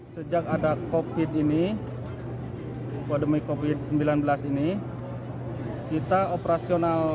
sejak ada covid sembilan belas ini kita operasional normal